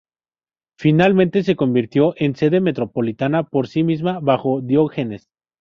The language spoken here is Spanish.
Finalmente se convirtió en sede metropolitana por sí misma bajo Diógenes.